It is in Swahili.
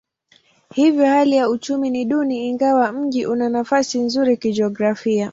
Hivyo hali ya uchumi ni duni ingawa mji una nafasi nzuri kijiografia.